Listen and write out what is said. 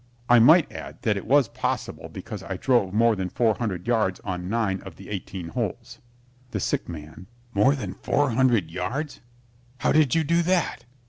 I might add that it was possible because I drove more than four hundred yards on nine of the eighteen holes. THE SICK MAN More than four hundred yards? How did you do that?